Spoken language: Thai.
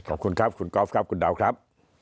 ขอบคุณครับคุณกอล์ฟครับคุณดาวครับ